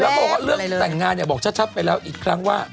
แล้วบอกว่าเรื่องแต่งงานเนี่ยบอกชัดไปแล้วอีกครั้งว่า